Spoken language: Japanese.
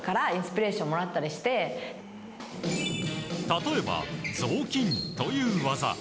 例えば、ぞうきんという技。